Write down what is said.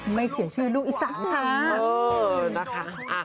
ไม่เขียนชื่อลูกอีสานค่ะเออนะคะอ่า